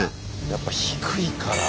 やっぱ低いから。